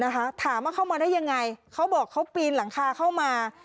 ถามว่าเข้ามาได้ยังไงเขาบอกเขาปีนหลังคาเข้ามา